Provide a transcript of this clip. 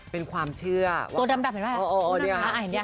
เป็นความเชื่อว่าตัวดำดำเห็นไหมอ๋อนี่คุณผู้ชมค่ะ